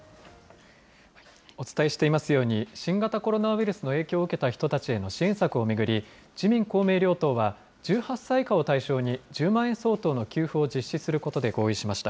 お伝えしていますように、新型コロナウイルスの影響を受けた人たちへの支援策を巡り、自民、公明両党は１８歳以下を対象に１０万円相当の給付を実施することで合意しました。